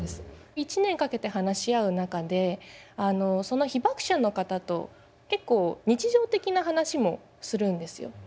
１年かけて話し合う中であのその被爆者の方と結構日常的な話もするんですよ。